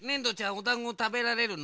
おだんごたべられるの？